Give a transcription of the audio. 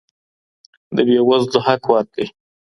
د بې وزلو حق ورکړئ.